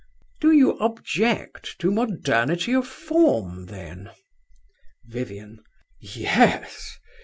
Do you object to modernity of form, then? VIVIAN. Yes.